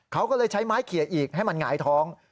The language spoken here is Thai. เขาก็เลยใช้ไม้เขียอีกให้มันหงายท้อง